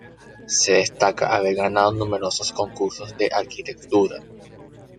Se destaca haber ganado numerosos concursos de arquitectura.